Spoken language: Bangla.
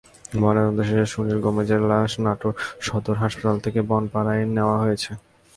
ময়নাতদন্ত শেষে সুনীল গোমেজের লাশ নাটোর সদর হাসপাতাল থেকে বনপাড়ায় নেওয়া হয়েছে।